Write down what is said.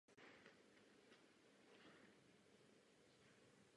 Zdejší skaliska vyhledávají horolezci.